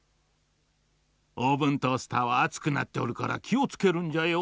オーブントースターはあつくなっておるからきをつけるんじゃよ。